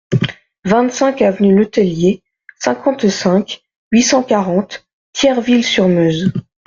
vingt-cinq avenue Letellier, cinquante-cinq, huit cent quarante, Thierville-sur-Meuse